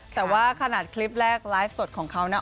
แต่ว่าขนาดคลิปแรกไลฟ์สดของเขานะ